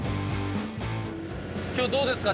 今日どうですか？